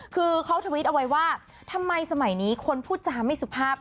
คือเขาทวิตเอาไว้ว่าทำไมสมัยนี้คนพูดจาไม่สุภาพ